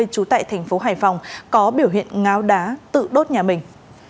trú tại tp hải phòng có biểu hiện ngáo đá tự đốt nhà mình